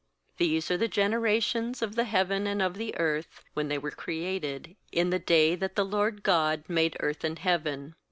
4These are the generations of the heaven and of the earth when they were created, in the day that the LORD God made earth and heaven.